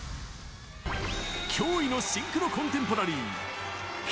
驚異のシンクロコンテンポラ